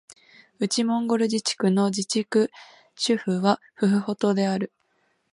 内モンゴル自治区の自治区首府はフフホトである